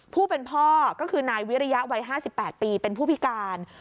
ผู้เป็นพ่อก็คือนายวิริยะวัย๕๘ปีเป็นผู้พิการ